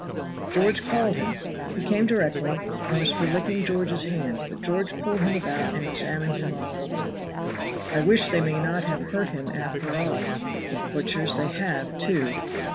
George called him; he came directly, and was for licking George's hand, but George pulled him about and examined him all over. "I wish they may not have hurt him after all, the butchers; they have, too.